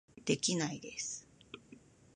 できないです